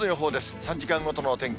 ３時間ごとのお天気。